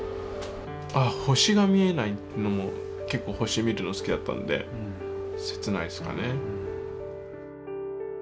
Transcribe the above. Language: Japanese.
星が見えないのも、結構、星を見るの好きだったので切ないですかね。